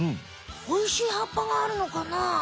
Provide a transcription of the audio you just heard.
おいしい葉っぱがあるのかな？